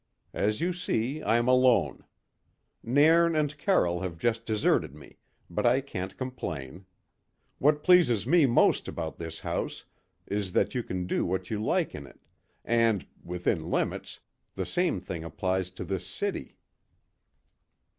"As you see, I'm alone. Nairn and Carroll have just deserted me, but I can't complain. What pleases me most about this house is that you can do what you like in it, and within limits the same thing applies to this city."